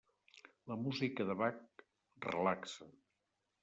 La música de Bach relaxa.